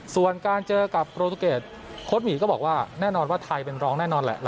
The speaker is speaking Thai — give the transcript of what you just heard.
ส่วนการเจอกับโปรตูเกตโค้ดหมีก็บอกว่าแน่นอนว่าไทยเป็นรองแน่นอนแหละ